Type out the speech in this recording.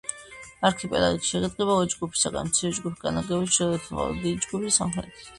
არქიპელაგი შედგება ორი ჯგუფისაგან მცირე ჯგუფი განლაგებულია ჩრდილოეთით, ხოლო დიდი ჯგუფი სამხრეთით.